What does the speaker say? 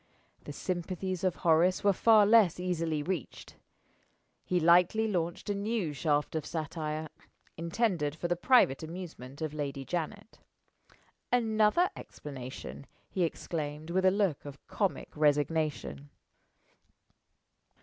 The sympathies of Horace were far less easily reached. He lightly launched a new shaft of satire intended for the private amusement of Lady Janet. "Another explanation!" he exclaimed, with a look of comic resignation.